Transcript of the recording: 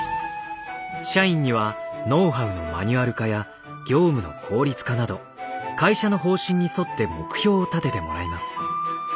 社員にはノウハウのマニュアル化や業務の効率化など会社の方針に沿って目標を立ててもらいます。